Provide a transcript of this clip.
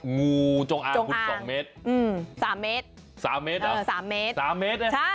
งูจงอาคุณ๒เมตร๓เมตร